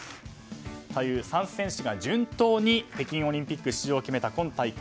３選手が順当に北京オリンピック出場を決めた今大会。